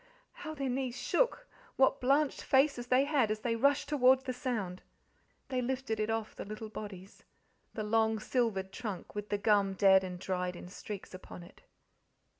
How their knees shook what blanched faces they had as they rushed towards the sound! They lifted it off the little bodies the long, silvered trunk with the gum dead and dried in streaks upon it.